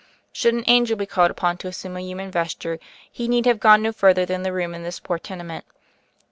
Should an angel be called upon to assume a human vesture, he need have gone no further than the room in this poor tenement.